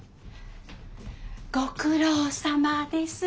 ご苦労さまです。